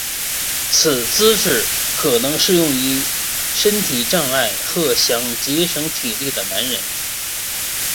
此姿势可能适用于身体障碍或想节省体力的男人。